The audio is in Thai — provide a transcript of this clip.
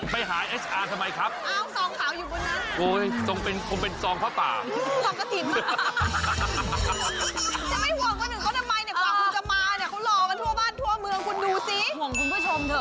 มาเอาทรองขาวที่นี่